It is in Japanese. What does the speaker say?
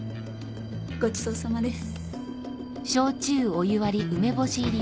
ごちそうさまです。